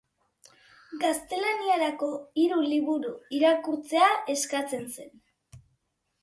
Gaztelaniarako hiru liburu irakurtzea eskatzen zen.